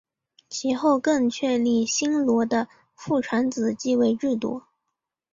其后更确立新罗的父传子继位制度。